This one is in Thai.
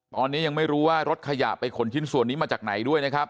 ตอนนี้ยังไม่รู้ว่ารถขยะไปขนชิ้นส่วนนี้มาจากไหนด้วยนะครับ